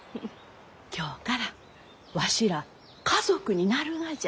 今日からわしらあ家族になるがじゃ。